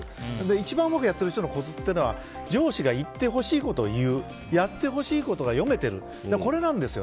一番うまくやってる人のコツは上司が言ってほしいことを言うやってほしいことが読めているこれなんです。